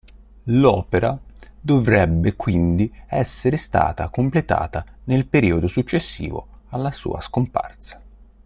L'opera dovrebbe quindi essere stata completata nel periodo successivo alla sua scomparsa.